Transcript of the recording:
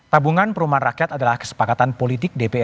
tabungan perumahan rakyat adalah kesepakatan politik dpr